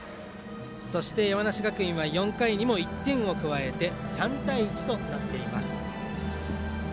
そして、山梨学院は４回にも１点を加えて３対１となっています。